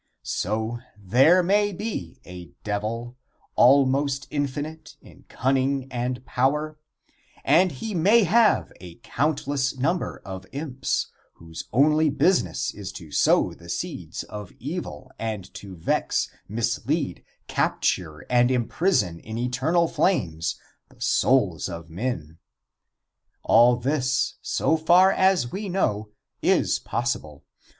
So there may be a Devil, almost infinite in cunning and power, and he may have a countless number of imps whose only business is to sow the seeds of evil and to vex, mislead, capture and imprison in eternal flames the souls of men. All this, so far as we know, is possible.